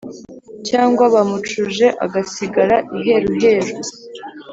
cyangwa bamucuje agasigara iheruheru;